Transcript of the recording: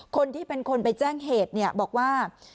คนที่เป็นคนไปแจ้งเหตุบอกว่า